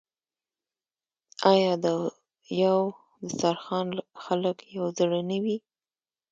آیا د یو دسترخان خلک یو زړه نه وي؟